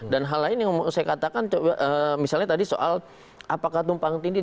dan hal lain yang saya katakan misalnya tadi soal apakah tumpang tinggi